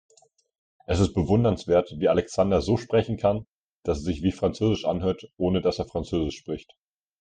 Es ist bewundernswert, wie Alexander so sprechen kann, dass es sich wie französisch anhört, ohne dass er französisch spricht.